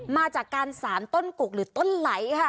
มาจากการสารต้นกุกหรือต้นไหลค่ะ